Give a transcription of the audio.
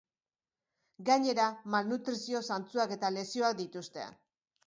Gainera, malnutrizio zantzuak eta lesioak dituzte.